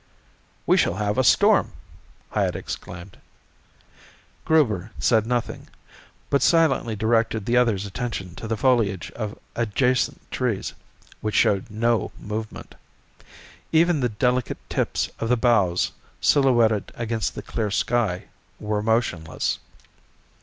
"We shall have a storm," Hyatt exclaimed. Gruber said nothing, but silently directed the other's attention to the foliage of adjacent trees, which showed no movement; even the delicate tips of the boughs silhouetted against the clear sky were motionless.